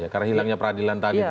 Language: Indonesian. karena hilangnya peradilan tadi